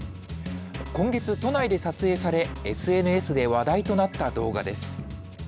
今月、都内で撮影され、ＳＮＳで話題となった動画です。